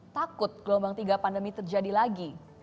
takut gelombang tiga pandemi terjadi lagi